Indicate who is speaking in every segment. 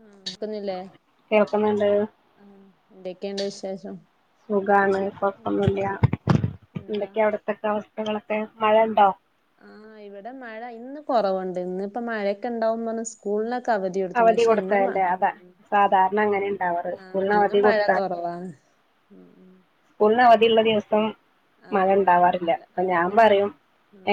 Speaker 1: ആഹ് ക്കുന്നില്ലേ
Speaker 2: കേൾക്കുന്നുണ്ട്
Speaker 1: ആ എന്തൊക്കെയണ്ട് വിശേഷം
Speaker 2: സുഖാണ് കൊഴപ്പൊന്നുല്ല
Speaker 1: എന്താ
Speaker 2: എന്തൊക്കെയ അവിടത്തക്കെ അവസ്ഥകളൊക്കെ മഴണ്ടോ
Speaker 1: ആഹ് ഇവിടെ മഴ ഇന്ന് കുറവുണ്ട് ഇന്ന് ഇപ്പ മഴയൊക്കെ ഇണ്ടാവന്ന് പർഞ്ഞ്
Speaker 2: അവധി കൊടുത്തല്ലേ അതാ സാധാരണ അങ്ങനെണ്ടാവാറ്
Speaker 1: ആഹ്
Speaker 2: സ്കൂളിന്
Speaker 1: ഇന്ന്
Speaker 2: അവധി
Speaker 1: മഴ
Speaker 2: കൊടുത്താ ഉ
Speaker 1: കുറവാണ് ഉം ഉം
Speaker 2: സ്കൂൾന് അവധിള്ള ദിവസം മഴ
Speaker 1: ആഹ്
Speaker 2: ഉണ്ടാവാറില്ല
Speaker 1: ഉണ്ടാവില്ല
Speaker 2: അപ്പൊ ഞാൻ
Speaker 1: അങ്ങനെ
Speaker 2: പറയും
Speaker 1: തന്നെ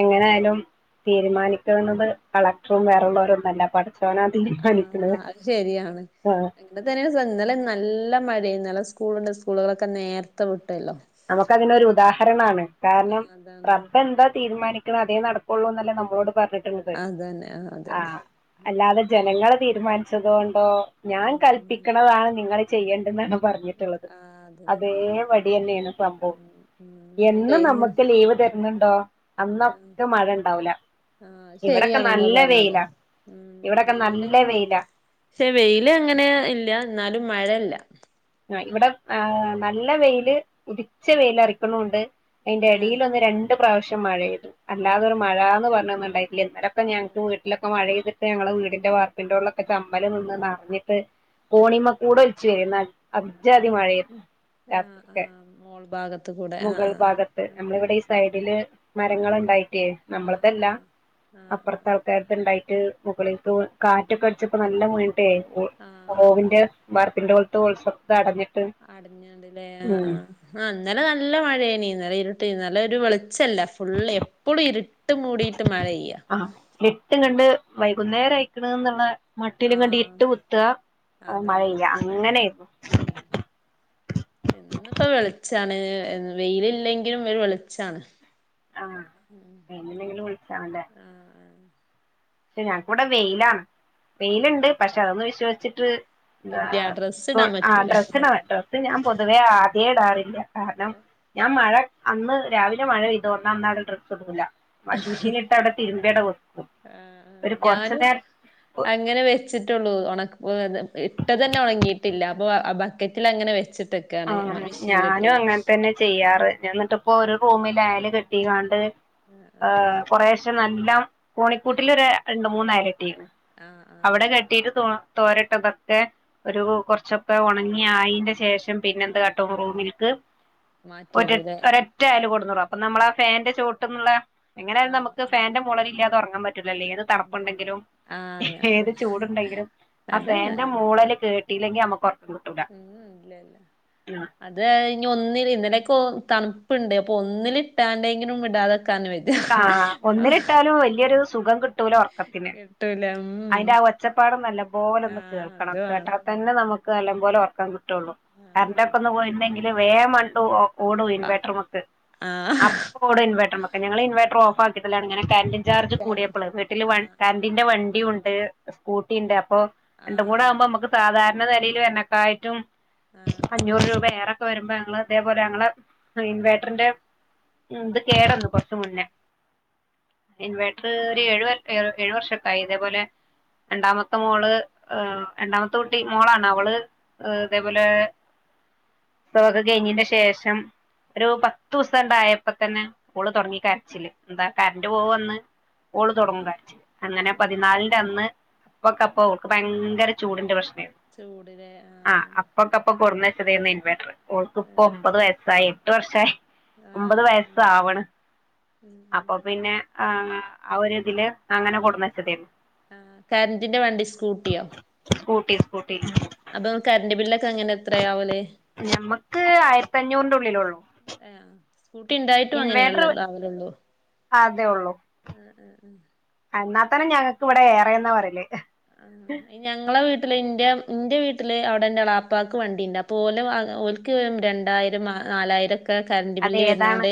Speaker 2: എങ്ങനൊയാലും തീരുമാനിക്കുന്നത് കളക്ടറും വേറെള്ളോരൊന്നുല്ല പഠച്ചോനാ
Speaker 1: ആഹ് ആഹ്
Speaker 2: തീമാനിക്ക്ണത്
Speaker 1: ആഹ് അത് ശരിയാണ്
Speaker 2: ആഹ്
Speaker 1: [unintelligible] ഇന്നലെ നല്ല മഴയ ഇന്നലെ സ്കൂളുണ്ട് സ്കൂളുകളൊക്കെ നേരത്തെ വിട്ടല്ലോ
Speaker 2: നമുക്ക് അതിനൊരു ഉദാഹരണാണ് കാരണം
Speaker 1: അതാണ്
Speaker 2: റബ്ബ് എന്താ തീരുമാനി ക്ക്ണത് അതേ നടപ്പുള്ളൂ ന്നല്ലേ നമ്മളോട് പറഞ്ഞിട്ടുള്ളത്
Speaker 1: അതന്നെ ആഹ്
Speaker 2: ആ
Speaker 1: അതന്നെ
Speaker 2: അല്ലാതെ ജനങ്ങള് തീരുമാനിച്ചതുകൊണ്ടോ ഞാൻ
Speaker 1: ഉം
Speaker 2: കൽപിക്കണതാണ് നിങ്ങള ചെയ്യണ്ടത് എന്നാണ് പറഞ്ഞിട്ടുള്ളത് അതേ പടി തന്നെയാണ് സംഭവം എന്നും
Speaker 1: ണ്ടയ്നു
Speaker 2: നമുക്ക് ലീവ് തര്ന്ണ്ടോ അന്നൊക്കെ മഴ ഉണ്ടാവൂല
Speaker 1: ആഹ്
Speaker 2: ഇവിടൊക്കെ
Speaker 1: ശെരിയാണ് നിങ്ങൾ
Speaker 2: നല്ല
Speaker 1: പറഞ്ഞത്
Speaker 2: വെയിലാ
Speaker 1: ഉം
Speaker 2: ഇവിടൊക്കെ
Speaker 1: വെയില്
Speaker 2: നല്ല വെയിലാ
Speaker 1: ക്ഷെ വെയില് അങ്ങനെ ഇല്ല എന്നാലും മഴല്ല
Speaker 2: ആ ഇവിടെ ആ നല്ല വെയില് ഉതിച്ച വെയിൽ അറിക്കുണുണ്ട് അയ്ൻ്റെ
Speaker 1: ഏഹ്
Speaker 2: എടീലൊന്ന് രണ്ട് പ്രാവശ്യം മഴയ്തു
Speaker 1: ആഹ്
Speaker 2: അല്ലാതെരു മഴാന്ന് പറഞ്ഞൊന്നുണ്ടായിട്ടില്ല ഇന്നലൊക്കെ ഞങ്ങക്ക് വീട്ടി ലൊക്കെ മഴയ്തിട്ട് ഞങ്ങളെ വീടിന്റെ വാർപ്പിൻ്റെ മോൾലൊക്കെ ചമ്മല് നിന്ന് നറഞ്ഞിട്ട് കോണിമ്മക്കൂടെ ഒലിച്ചു വരാരുന്നു അജ്‌ജാതി മഴരുന്നു
Speaker 1: ആഹ് ആഹ് മോൾ ഭാഗത്ത് കൂടെ ആഹ്
Speaker 2: മുഗൾ ഭാഗത്ത്
Speaker 1: ആഹ്
Speaker 2: നമ്മളവിടെ ഈ സൈഡില് മരങ്ങളുണ്ടായിട്ടേ
Speaker 1: ആഹ്
Speaker 2: നമ്മൾതല്ല
Speaker 1: ആഹ് ആഹ് ആഹ് ആഹ്
Speaker 2: അപ്പർത്ത ആൾക്കാര് ക്ക ഇണ്ടായിട്ട് മുകള്ൽക്ക് വീ കാറ്റൊക്കെ അടിച്ചപ്പോ നല്ല വീണിട്ടെ
Speaker 1: ആഹ് ആഹ് ആഹ്
Speaker 2: ഓവിന്റെ വാർപ്പിന്റെ മൊൾത്തെ ഹോൾസൊക്കെ അടഞ്
Speaker 1: അട്ഞ്ഞാണ്ട് ലെ ആ ആ ആ ഇന്നലെ നല്ല മയെനി ഇന്നലെ ഇരുട്ടെര്ന്ന് നല്ല ഒരു വെള്ച്ചല്ല ഫുള്ള് എപ്പളു ഇര്ട്ട് മൂടിയിട്ട് മഴെയ്യ
Speaker 2: റ്റും കണ്ട് വൈകുന്നേര അയ്ക്ക്ണ് ന്ന്ള്ള മട്ടില്ങ്ങട്ട്
Speaker 1: ആഹ്
Speaker 2: ഇര്ട് കുത്ത
Speaker 1: അതന്നെ
Speaker 2: മഴയ്യ
Speaker 1: അങ്ങനെ തന്നെ ആഹ്
Speaker 2: അങ്ങനെര്ന്നു.
Speaker 1: ഇന്ന്പ്പ വെള്ച്ചാണ് വെയില് ഇല്ലെങ്കിലും ഒരു വെള്ച്ചാണ്
Speaker 2: ആ വെയിലില്ലെങ്കിലും വെൾച്ചാണ് ലെ പക്ഷെ ഞങ്ങക്ക്‌വടെ വെയിലാണ് വെയില്ണ്ട്
Speaker 1: ആഹ്
Speaker 2: പക്ഷെ അതൊന്ന് വിശ്വസ്ച്ട്ട് എന്താ
Speaker 1: ഇല്ല ഡ്രസ്സ് ഇടാൻ
Speaker 2: ആ
Speaker 1: പറ്റൂല
Speaker 2: ഡ്രസ്സ് [unintelligible] ഡ്രസ്സ് ഞാൻ പൊതുവേ ആദ്യെ ഇടാറില്ല കാരണം ഞാൻ മഴ അന്ന് രാവിലെ മഴ പെയ്തോ ന്നാ അന്നവ്ടെ ഡ്രസ് ഇടൂല വാഷിംഗ് മെഷീൻല് ട്ട അവ്ടെ തിര്മ്പി അവ്ടെ വെക്കും
Speaker 1: ആ ആ
Speaker 2: ഒരു കൊറച്ചു
Speaker 1: ഞാനും
Speaker 2: നേരം
Speaker 1: അങ്ങനെ വെച്ചിട്ടെള്ളൂ ഒണ ഇട്ടതന്നെ ഒണങ്ങിയിട്ടില്ല അപ്പൊ ബക്കറ്റിലങ്ങനെ വെച്ചിട്ട്
Speaker 2: ആ ഞാനു അങ്ങൻ തന്നെ ചെയ്യാറ് ഞാൻ ന്നട്ട് ഇപ്പോ ഒരു റൂമില് അയല് കെട്ടികാണ്ട്
Speaker 1: ആഹ്
Speaker 2: ഏ കൊറെഷേ നല്ലം കോണിക്കൂട്ടിലൊരു രണ്ട് മൂന്ന് അയല് കെട്ടീക്ണ്
Speaker 1: ആ അ
Speaker 2: അവിടെ കെട്ടിയിട്ട് തോ തോരട്ടതൊക്കെ ഒരു കൊർച്ചൊക്കെ ഒണങ്ങിആയിന്റെ ശേഷം പിന്നെ എന്ത് കാട്ടും റൂമിൽക്ക് ഒര
Speaker 1: മാറ്റിയിടൂല്ലേ
Speaker 2: ഒരൊറ്റ അയല്
Speaker 1: ആഹ്
Speaker 2: കൊടുന്ന്ടും അപ്പ നമ്മള ആ ഫാന്റെ ചോട്ട്ന്ന്ള്ള എങ്ങനായാലും നമ്മക്ക്
Speaker 1: ആഹ് ആഹ്
Speaker 2: ഫാന്റെ മൂളലില്ലാതെ ഒർങ്ങാൻ പ റ്റൂലല്ലോ ഏത്
Speaker 1: ഇല്ലല്ല
Speaker 2: തണ്പ്പ്ണ്ടെങ്കിലും
Speaker 1: ആഹ് അങ്ങനെ
Speaker 2: ഏത് ചൂട്ണ്ടെങ്കിലും ആ
Speaker 1: അതങ്ങനെ
Speaker 2: ഫാന്റെ മൂളല് കേ ട്ടീല്ലെങ്കി നമ്മക് ഒർക്കം കിട്ടൂല
Speaker 1: ഉം ഇല്ല ഇല്ല
Speaker 2: [unintelligible]
Speaker 1: അത് അയ്ഞ് ഒന്നില് ഇന്നലൊക്കെ തൺപ്പ്ണ്ട് അപ്പൊ ഒന്നില് ഇട്ടാണ്ടെങ്കിലും ഇടാതെക്കാന് വെ
Speaker 2: ആ ഒന്ന്ല്ട്ടാലു വല്ല്യോരു സുഖം കിട്ടൂല ഒർക്കത്തിന്
Speaker 1: കിട്ടൂല ഉം
Speaker 2: അയിന്റെ ആ ഒ ഒച്ചപ്പാട് നല്ല പോലൊന്ന്
Speaker 1: ആഹ് അത്
Speaker 2: കേൾക്കണം കേട്ടാ
Speaker 1: വേണം
Speaker 2: തന്നെ നമ്മ ക്ക്‌ നല്ലം പോലെ ഒർക്കം കിട്ടള്ളൂ കര്ന്റോക്കെ ഒന്ന് പോയിണ്ടെങ്കില് വേം മണ്ടും ഓടും
Speaker 1: ആഹ് ആഹ് ആഹ്
Speaker 2: ഇൻവെർട്ടർമക്ക്‌ അപ്പ ഓടും ഇൻവെർട്ടർ മക്ക്‌ ഞങ്ങള് ഇൻവെർട്ടർ ഓഫ് ആക്കിടലാണ് ഇങ്ങനെ കര്ണ്ട് ചാർജ്
Speaker 1: കരണ്ട്
Speaker 2: കൂടിയപ്പള് വീട്ടില് വ
Speaker 1: ആഹ്
Speaker 2: കര്ണ്ടിന്റെ വണ്ടിയുണ്ട് സ്കൂട്ടി ഇണ്ട് അപ്പൊ രണ്ടും കൂടെ
Speaker 1: ആഹ്
Speaker 2: ആവുമ്പം അമ്മക്ക് സാധാരണ വെലെല് വര് ന്നക്കാട്ടിലും
Speaker 1: ആഹ് ആഹ്
Speaker 2: അഞ്ഞൂറ് രൂപ ഏറ ക്കെ വരുമ്പ ഞങ്ങള് ഇതേപോലെ ഞങ്ങളെ ഇൻവേർട്ടർന്റെ ഇത് കേടന്ന് മുന്നെ ഇൻവേട്ടർ ഒര് ഏഴു ഏഴു വർഷക്കായി ഇതേപോലെ രണ്ടാമത്തെ
Speaker 1: ആഹ്
Speaker 2: മോള് രണ്ടാമത്തെ കുട്ടി മോളാണ് അവള് ഇതേപോലെ പ്രസവക്കെ കഴിഞ്ഞെ ന്റെ ശേഷം ഒരു പത്ത് ദൂസം ണ്ടായപ്പോ തന്നെ ഓള് തൊട്ങ്ങി കര്ച്ചില് ന്താ കര്ണ്ട് പോവു അന്ന് ഓള് തൊട് ങ്ങും
Speaker 1: ആഹ്
Speaker 2: കര്ച്ചില് അങ്ങനെ പതിനാൽന്റെ അന്ന് അപ്പൊക്കപ്പൊ ഓൾക്ക് ഭയങ്കര ചൂട്ന്റെ പ്രശ്നേര്ന്നു
Speaker 1: ചൂടിലെ
Speaker 2: ആ
Speaker 1: ആഹ്
Speaker 2: അപ്പൊക്ക അപ്പൊ കൊട്ന്ന് വെച്ചതേര്ന്ന് ഇൻവെർട്ടർ ഓൾക്ക് ഇപ്പൊ ഒമ്പത് വയസ്സായി എട്ട് വർഷായി ഒമ്പത്
Speaker 1: ആഹ്
Speaker 2: വയസ്
Speaker 1: ആഹ്
Speaker 2: ആവ്ണ്
Speaker 1: ഉം ഉം
Speaker 2: അപ്പൊ പിന്നെ ആ ആ ഒര് ഇതില് അങ്ങനെ കൊട്ന്നച്ചതേര്ന്ന്
Speaker 1: ആ കര്ന്റിന്റെ വണ്ടി സ്കൂട്ടിയോ
Speaker 2: സ്കൂട്ടി സ്കൂട്ടി
Speaker 1: അപ്പൊ കരണ്ട് ബില്ലൊക്കെ എങ്ങനെ എത്രയാവല്
Speaker 2: ഞമ്മക്ക് ആയിരത്തി അഞ്ഞൂറിന്റ ഉള്ളിലോള്ളൂ
Speaker 1: എ ആ സ്കൂട്ടി ഇണ്ടായിട്ടും അങ്ങനെയാ [unintelligible] ആവലോള്ളൂ
Speaker 2: അതെ ഒള്ളൂ
Speaker 1: ആഹ് ആഹ് ആഹ്
Speaker 2: എന്നാത്തന്നെ ഞങ്ങക്ക് ഇവിടെ ഏറെന്നാ പറയല്
Speaker 1: ആഹ് ഞങ്ങളെ വീട്ടില് ഇന്റെ ഇന്റെ വീട്ടില് അവിടെ എളാപ്പാക്ക് വണ്ടിണ്ട് അപ്പോ ഓല് വാങ്ങ ഓൽ ക്കെ രണ്ടായിരം നാലായിരക്കെ കര്ന്റ്
Speaker 2: അത്
Speaker 1: ബില്ല്
Speaker 2: ഏതാണ്
Speaker 1: വെര്നോണ്ട്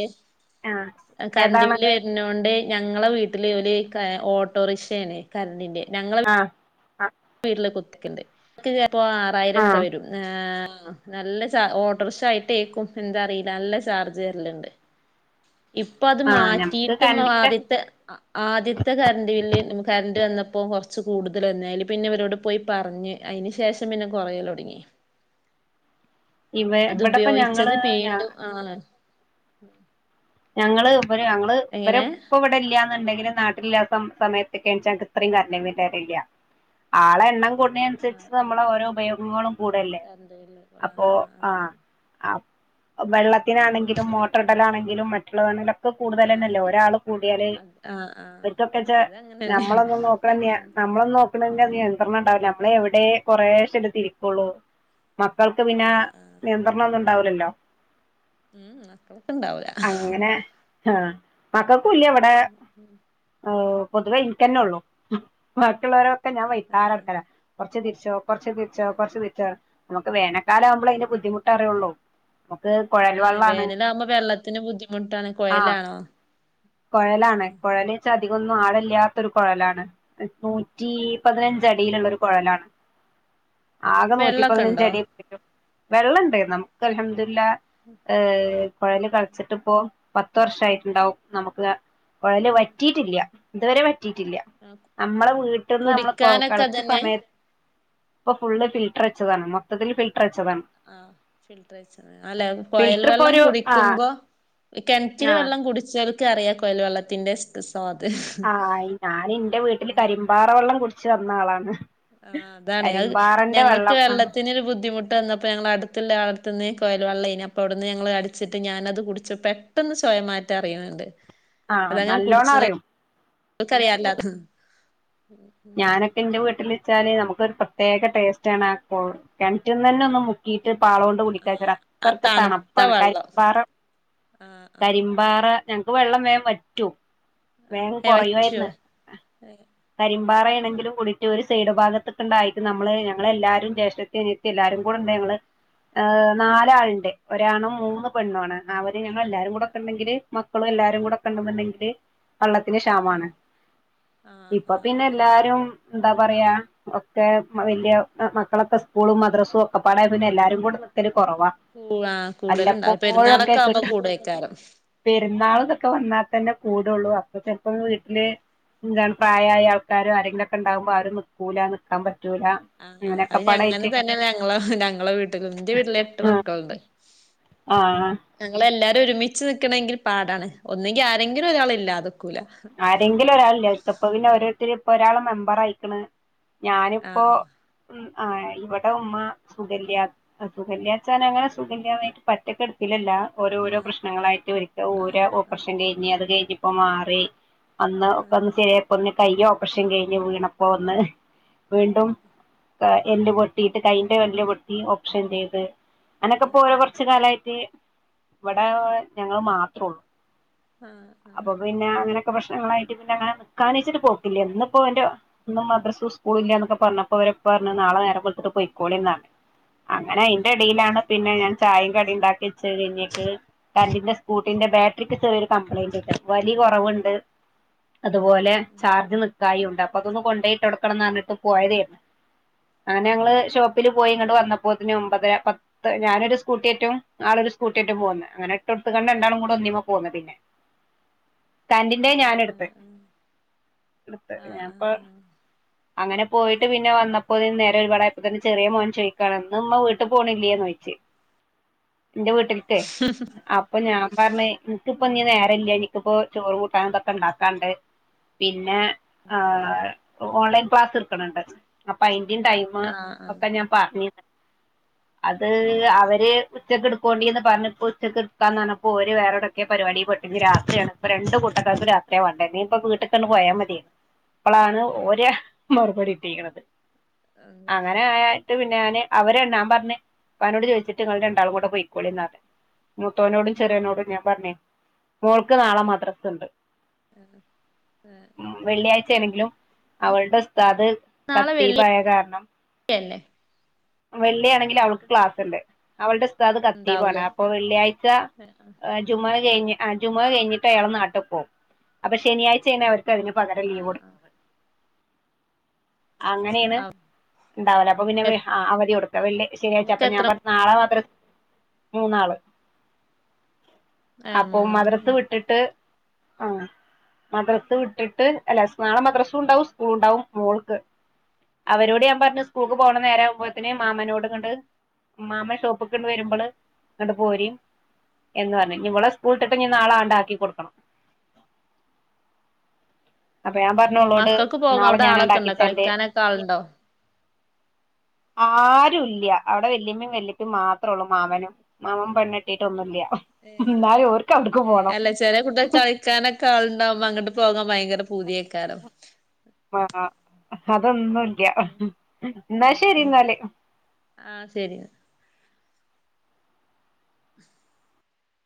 Speaker 2: ആഹ്
Speaker 1: കര്ന്റ്
Speaker 2: ഏതാണ്
Speaker 1: ബില്ല് നോണ്ട് ഞങ്ങളെ വീട്ടില് ഓല് ഓട്ടോറിക്ഷേണ് കര്ണ്ടിന്റെ ഞങ്ങളെ
Speaker 2: ആഹ് ആഹ്
Speaker 1: വീട്ടില് കുത്തിക്ണ്ട് എനിക്ക് പ്പോ ആറായിരംക്കെ
Speaker 2: ആഹ്
Speaker 1: വെരും നല്ല ചാർ ഓട്ടർക്ഷ ആയിട്ടേക്കും എന്താ അറിയില്ല നല്ല ചാർജ് വെര്ല്ണ്ട് ഇപ്പ അത്
Speaker 2: ആഹ് ഞമ്മക്ക്
Speaker 1: മാറ്റിട്ടും
Speaker 2: കറണ്ടിന്റെ
Speaker 1: ആദ്യത്തെ ആദ്യത്തെ കര്ണ്ട് ബില്ല് കര്ണ്ട് വന്നപ്പോ കൊർച്ച് കൂടുതല് വന്ന് അയ്ല് പിന്നെ ഇവരോട് പോയി പർഞ്ഞ് അയ്ന് ശേഷം പിന്നെ കൊറയല് ഒട്ങ്ങി
Speaker 2: ഇവ ഇവിടെപ്പ ഞങ്ങള് ഞാ
Speaker 1: ആഹ്
Speaker 2: ഞങ്ങള് ഇവര് ഞങ്ങള് ഇവരെ
Speaker 1: എങ്ങനെ
Speaker 2: ഇപ്പ ഇവടെ ഇല്ല ണ്ടെകിലും നാട്ടിലില്ല സമയത്ത്ക്കെൺച്ച ഇത്രയും കര്ന്റ് ബില്ല് വേര്ലില്ല ആളെ എണ്ണം കൂട് കൂട്ണെനനുസരിച്ച് നമ്മളെ ഓരോ ഉപയോഗങ്ങളും കൂടല്ലേ
Speaker 1: തന്ത്ല്ലെ ആഹ് ആഹ്
Speaker 2: അപ്പ് വെള്ളത്തിനാണെങ്കിലും മോട്ടർ ഇടലാണെങ്കിലും മറ്റുള്ളവ ക്കെ കൂടുതലെന്നല്ലേ ഒരാള് കൂടിയാല്
Speaker 1: ആഹ് ആഹ്
Speaker 2: അവർക്കൊക്കെച്ചാ നമ്മളൊന്നും നോക്ണെന്നെ
Speaker 1: ഉം
Speaker 2: നമ്മളൊന്നും നോ ക്ക്ണെന്നെ നിയന്ത്രണം ഉണ്ടാവില്ല നമ്മള് എവിടെ കൊറെശെല്ലെ തിരിക്കോള്ളൂ മക്കൾക്ക് പിന്നെ
Speaker 1: ആ ആ
Speaker 2: നിയന്ത്രണം ഒന്നും ഇണ്ടാവ്ല്ലല്ലോ
Speaker 1: ഉം ഉം മക്കക്ക് ഇണ്ടാവൂല
Speaker 2: അങ്ങനെ ആഹ് മക്കക്കുല്ല ഇവടെ
Speaker 1: ഉം ഉം
Speaker 2: പൊതുവേ ഇൻക്കെന്നെ ഒള്ളു ബാക്കിയുള്ളവരൊക്കെ ഞാൻ
Speaker 1: ആ
Speaker 2: വൈതാലെ നടക്കലാ കൊർച്ച് തിരിച്ചോ കൊർച്ച് തിരിച്ചോ കൊർച്ച് തിരിച്ചോ നമുക്ക് വേനൽക്കാലം ആവുമ്പോ അയ്ന്റെ ബുദ്ധിമുട്ട് അറിയോള്ളൂ നമുക്ക് കൊഴൽ വെള്ളാണ്
Speaker 1: [unintelligible] ത്തിന്റെ ബുദ്ധിമുട്ടാണ്
Speaker 2: ആഹ്
Speaker 1: കുഴലാണോ
Speaker 2: കൊഴലാണ് കൊഴല് അധികൊന്നും ആഴല്ലാത്തൊരു കൊഴലാണ് നൂറ്റി
Speaker 1: ആ ആ
Speaker 2: പതിനഞ്ചടിയിലുള്ള കൊഴലാണ് ആകെ നൂറ്റി
Speaker 1: വെള്ളൊക്കെ ഉണ്ടോ
Speaker 2: പതിനഞ്ചടി പറ്റൊ വെള്ളണ്ട് നമുക്ക് അൽഹംദുലില്ലാഹ് ഹേ കോയല് ക ഇപ്പോ പത്ത് വർഷായിട്ടുണ്ടാവും നമുക്ക് കൊഴല് വറ്റിട്ടില്ല ഇതുവരെ വറ്റിട്ടില്ല നമ്മള് വീട്ടിന്ന് നമ്മള് കൊ
Speaker 1: കുടിക്കാനൊക്കെ
Speaker 2: കെളച്ച
Speaker 1: അതന്നെ
Speaker 2: സമയ ഇപ്പൊ ഫുള്ള് ഫിൽട്ട്ർ വെച്ചതാണ് മൊത്തത്തില് ഫിൽട്ട്ർ വെച്ചതാണ്
Speaker 1: ആഹ് ഫിൽട്ട്ർ വെച്ച്ണ് അല്ലെ കൊയൽ
Speaker 2: ഫിൽട്ടർ ഇപ്പൊ
Speaker 1: വെള്ളം
Speaker 2: ഒരു ആഹ്
Speaker 1: കുടിക്കുമ്പോ കെൻറ്റിലെ
Speaker 2: ആഹ്
Speaker 1: വെള്ളം കുടിച്ചോൽക്കറിയ കൊയൽ വെള്ളത്തിന്റെ സ് സ്വാദ്
Speaker 2: ഞാന് ഇന്റെ വീട്ടില് കരിമ്പാറ വെള്ളം കുടിച്ച് വന്ന ആളാണ്
Speaker 1: ആഹ് അതാണ് അഹ്
Speaker 2: കരിമ്പാറന്റെ
Speaker 1: ഞങ്ങൾക്ക്
Speaker 2: വെള്ളം ആഹ്
Speaker 1: വെള്ളത്തിനൊരു ബുദ്ധിമു ട്ടെ നിന്നപ്പോ ഞങ്ങള് അട്ത്ള്ളെ ആളെട്ത്ത്ന്ന് കൊഴൽ വെള്ളെനി അപ്പൊ അവിട്ന്ന് ഞങ്ങള് അടിച്ചിട്ട് ഞാനത് കുടിച്ച് പെ ട്ടെന്ന് ചോയ മാറ്റം അറിണ് ണ്ട്
Speaker 2: ആഹ്
Speaker 1: അതങ്ങനെ
Speaker 2: നല്ലോണം
Speaker 1: കുടിച്ച്ണോൽ
Speaker 2: അറിയും
Speaker 1: ക്കറിയാ അല്ലാത്
Speaker 2: ഞാനൊക്കെ ഇന്റെ വീട്ടില് ച്ചാല് നമ്മക്കൊരു പ്രത്യേക ടേസ്റ്റ് ആണ് കെൺറ്റ്ന്നെനെ ഒന്ന് മുക്കിട്ട് പാളൊണ്ട്
Speaker 1: ആ
Speaker 2: [unintelligible]
Speaker 1: തണുത്ത
Speaker 2: തണുപ്പാണ്
Speaker 1: വെള്ളം
Speaker 2: കരിമ്പാറ
Speaker 1: ആഹ് ആഹ്
Speaker 2: കരിമ്പാറ ഞങ്ങക്ക് വെള്ളം വേൻ പറ്റോ
Speaker 1: ആഹ്
Speaker 2: വേഗം
Speaker 1: ഏഹ്
Speaker 2: കുറയുവായിുന്ന
Speaker 1: വറ്റുവോ ഏഹ്
Speaker 2: കരിമ ണെങ്കിലും കുടി ഒരു സൈഡ്ാഗ [unintelligible] ഏ നാലാളുണ്ട് ഒരാണ് മൂന്ന് പെണ്ണാണ് അവര് ഞങ്ങൾ എല്ലാരും കൂടെക്ക ഉണ്ടെങ്കില് മക്കളും എല്ലാരും കൂടെ കണ്ടെന്നണ്ടെങ്കില് വള്ളത്തിന് ക്ഷാമാണ്
Speaker 1: ആഹ്
Speaker 2: ഇപ്പൊ
Speaker 1: ആഹ് ആഹ്
Speaker 2: പിന്നലാൽ ഉം എന്താ പറയാ [unintelligible]
Speaker 1: ആ കൂടുലുണ്ടാവും പെരുന്നാളൊക്കെ ആവുമ്പോ കൂടൽക്കാരും
Speaker 2: പെരുന്നാൾ ഇതൊക്കെ വന്നാൽ തന്നെ കൂടുള്ളൂ അപ്പൊ ചിലപ്പോം വീട്ടില് എന്താണ് പ്രായമായ ആൾക്കാരും ആരെങ്കിലൊക്കെ ഉണ്ടാകുമ്പോ ആരും നില്ക്കുല നിൽക്കാൻ പറ്റൂല അങ്ങനെയൊക്കെപ്പാടായിട്ട്
Speaker 1: [unintelligible]
Speaker 2: ആഹാ
Speaker 1: ഞങ്ങൾ എല്ലാരും ഒരുമിച്ച് നിൽക്കണമെങ്കിൽ പാടാണ് ഒന്നെങ്കിൽ ആരെങ്കിലും ഒരാളില്ലാത
Speaker 2: ആരെങ്കിലും ഒരാളില്ല ഇപ്പ പിന്നെ ഓരോരുത്തർ ഇപ്പൊ ഒരാള് മെമ്പർ ആയിക്കണ് ഞാനിപ്പോ
Speaker 1: ആഹ്
Speaker 2: ആ ഇവിടെ ഉമ്മ സുഖല്ലിയാ
Speaker 1: ആഹ് ആഹ് ആഹ്
Speaker 2: [unintelligible] [unintelligible] [unintelligible] വീണ്ടും എല്ല് പൊട്ടിയിട്ട് കെയ്ൻ്റെ എല്ല് പൊട്ടി ഓപ്പറേഷൻ ചെയ്ത് അനൊക്കെ ഇപ്പോ ഓരോ കുറച്ച് കാലമായിട്ട് ഇവിടെ ഞങ്ങൾ മാത്രേ ഉള്ളു
Speaker 1: ആഹ് ആഹ് ആഹ്
Speaker 2: അപ്പൊ പിന്നെ അങ്ങനെയൊക്കെ പ്രശ്നങ്ങളായിട്ട് പിന്നെ അങ്ങനെ കാണിച്ചിട്ട് പോക്കില്ല എന്നിപ്പോ എന്റെ ഒന്നും മദ്രസ സ്കൂൾ ഇല്ലയന്നൊക്കെ പറഞ്ഞപ്പോ അവരെ പറഞ്ഞ് നാളെ നേരം വെളുത്തിട്ട് പോയിക്കോളി എന്നാണ് അങ്ങനെ അയിന്റെ ഇടയിലാണ് പിന്നെ ഞാൻ ചായയും കടി ഉണ്ടാക്കി വച്ച് കഴിഞ്ഞിട്ട് [unintelligible] അത് പോലെ ചാർജ് നിക്കായിണ്ട് അപ്പതൊന്ന് കൊണ്ടോയിട്ടടക്കണന്ന് പറഞ്ഞപ്പൊ പോയതേനു അങ്ങനെ ഞങ്ങള്ഷോപ്പ്
Speaker 1: ആഹ് ആഹ് ആഹ് ആഹ്
Speaker 2: [unintelligible] [unintelligible] [unintelligible]
Speaker 1: ആഹ് ആഹ് ആഹ് ആഹ് ആഹ് ആഹ് ആഹ്
Speaker 2: അങ്ങനെ പോയിട്ട് പിന്നെ വന്നപ്പോ നേരം ഒരുപാട് ആയപ്പോ തന്നെ ചെറിയ മോൻ ചോദിക്കാണ്ണന്ന്മ്മ വീട്ടിൽ പോണില്ലയോന്നുയോയിച് എന്റെ വീട്ടിൽ അപ്പൊ ഞാൻ പറഞ്ഞ് ഇനിക്കിപ്പോ
Speaker 1: ഉം
Speaker 2: നേരല്ല എനിക്കിപ്പോ ചോറ് കൂട്ടാ എന്തൊക്കെ ഉണ്ടാക്കാണ്ട് പിന്നെ ഹ ഓൺലൈൻ ക്ലാസ് എടുക്കാനുണ്ട് അപ്പൊ അയിന്റെയും ടൈംമു
Speaker 1: ആഹ് ആഹ്
Speaker 2: ഒക്കെ ഞാൻ പറഞ്ഞി അത്
Speaker 1: ഏഹ്
Speaker 2: അവര്
Speaker 1: ഏഹ്
Speaker 2: [unintelligible] കാക്കാക്ക് രാത്രി ആ വാണ്ടെ ഇല്ലെങ്കിപ്പൊ വീട്ട്ക്കങ്ങട്ട് പോയ മത്യേന്നു. അപ്പളാണ്
Speaker 1: ആഹ്
Speaker 2: ഓര മറുപടി കിട്ടീകണത്
Speaker 1: എന്താ
Speaker 2: അങ്ങനെ ആ ഇങ്ങട്ട് പിന്നെ ഞാന് അവരോട് ഞാൻ പറഞ്ഞ് ഇപ്പാനോട് ചോയ്ച്ചിട്ട് ഇങ്ങള് രണ്ടാളും കൂടെ പൊയ്ക്കോളീംന്ന് പറഞ്ഞ് മുത്തോനോടും ചെറിയനോടും ഞാൻ പറഞ്ഞേ മോൾക്ക് നാളെ മദ്രസണ്ട്
Speaker 1: [inaudible]
Speaker 2: മ് വെള്ളിയാഴ്ച ആണെങ്കിലും അവള്ടെ ഉസ്താദ് ഖത്തീബായ കാരണം
Speaker 1: തന്നെ
Speaker 2: വെള്ളി ആണെങ്കിൽ അവൾക്ക് ക്ലാസ്ണ്ട്. അവളുടെ ഉസ്താദ് ഖത്തീബാണ്
Speaker 1: ഉണ്ടാവൂലേ
Speaker 2: അപ്പൊ വെള്ളിയാഴ്ച ജുമ്അ കഴിഞ്ഞ് ആ ജുമ്അ കഴിഞ്ഞിട്ട് അയാൾ നാട്ടി പോവും. അപ്പൊ ശനിയാഴ്ച ആണ് അവര്- ക്കതിന് പകരം ലീവൊട്
Speaker 1: ആഹ്
Speaker 2: അങ്ങനെണ്
Speaker 1: ആഹ്
Speaker 2: ഇണ്ടാവല്. അപ്പൊ പിന്നെ
Speaker 1: ആഹ്
Speaker 2: അവധി കൊടുക്ക വെള്ളി ശനിയാഴ്ച്ച.
Speaker 1: നിങ്ങക്ക്
Speaker 2: അപ്പ ഞാൻ
Speaker 1: എത്ര
Speaker 2: പറഞ്ഞ് നാളെ മദ്രസ് മൂന്നാള്
Speaker 1: ഏഹ്
Speaker 2: അപ്പൊ
Speaker 1: മൂന്നാള്
Speaker 2: മദ്രസ്
Speaker 1: ഉം
Speaker 2: വിട്ടിട്ട് ആ മദ്രസ് വിട്ടിട്ട് അല്ല സ് നാളെ മദ്രസും ഉണ്ടാവും സ്കൂളും ഉണ്ടാവും മോൾക്ക്
Speaker 1: ആഹ്
Speaker 2: അവരോട് ഞാൻ പറഞ്ഞു സ്കൂൾക്ക് പോണ നേരം ആവും തിന്
Speaker 1: ആഹ്
Speaker 2: മാമനോട് ഇങ്ങട് മാമൻ ഷോപ്പ്ക്ക്ങ്ങട്ട് വരുമ്പള് ഇങ്ങട്ട് പോരിം എന്ന് പറഞ്ഞു ഇനി ഇവളെ സ്കുൾട്ടിട്ട് നാളങ്ങട്ട്
Speaker 1: ആഹ്
Speaker 2: ആക്കി കൊടുക്കണം. അപ്പൊ
Speaker 1: ആഹ്
Speaker 2: ഞാൻ
Speaker 1: ആഹ്
Speaker 2: പറഞ്ഞു ഓളോട്
Speaker 1: മക്കൾക്ക് പോക
Speaker 2: നാളെ
Speaker 1: അവിടെ
Speaker 2: ഞാൻ അങ്ങട്
Speaker 1: ആളൊക്കെ ഉണ്ടോ
Speaker 2: ആക്കിത്തരണ്ട്.
Speaker 1: കളിക്കാനൊക്കെ ആളുണ്ടോ
Speaker 2: ആരുല്ല്യ അവിടെ വല്ലിമ്മേം വെല്ലിപ്പേം മാത്രൊള്ളൂ മാമനും മാമൻ പെണ്ണ് കെട്ടിട്ടൊന്നും ഇല്ല
Speaker 1: ഏഹ്
Speaker 2: ന്നാലും ഓര്ക്ക് അവ്ടുക്ക് പോണം
Speaker 1: ക്കാനൊക്കെ ആളുണ്ടാവ്മ്പൊ അങ്ങട്ട് പോകാൻ ഭയങ്കര പൂതിയേക്കാരം
Speaker 2: ആ അതൊന്നുംല്ല്യ ഇന്നാ ശരി
Speaker 1: ഏഹ്
Speaker 2: ഇന്നാല്.
Speaker 1: ആഹ് ശരി ന്നാ